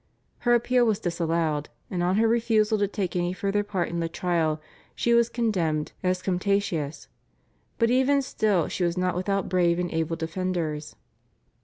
Her appeal was disallowed, and on her refusal to take any further part in the trial she was condemned as contumacious; but even still she was not without brave and able defenders.